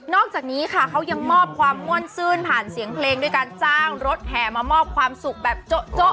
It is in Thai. อกจากนี้ค่ะเขายังมอบความม่วนซื่นผ่านเสียงเพลงด้วยการจ้างรถแห่มามอบความสุขแบบโจ๊ะ